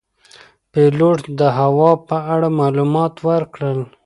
پیلوټ د هوا په اړه معلومات ورکړل.